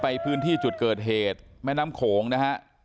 พื้นที่จุดเกิดเหตุแม่น้ำโขงนะฮะ